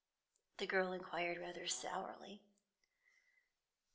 the girl inquired rather sourly.